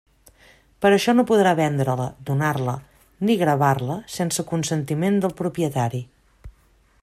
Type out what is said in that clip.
Per això no podrà vendre-la, donar-la ni gravar-la sense consentiment del propietari.